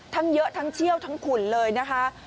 ทั้งเยอะทั้งเชี่ยวทั้งขุนเลยนะคะ